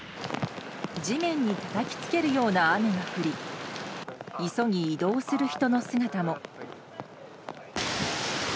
地面にたたきつけるような雨が降り急ぎ移動する人の姿も。